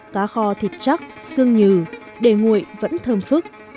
cá kho thịt chắc xương nhừ để nguội vẫn thơm phức